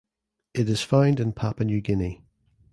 It is found in Papua New Guinea.